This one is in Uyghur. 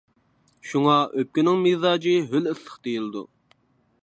شۇڭا، ئۆپكىنىڭ مىزاجى ھۆل ئىسسىق دېيىلىدۇ.